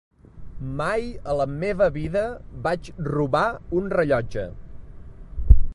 Mai a la meva vida vaig robar un rellotge.